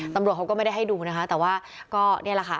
ตำรวจเขาก็ไม่ได้ให้ดูนะคะแต่ว่าก็นี่แหละค่ะ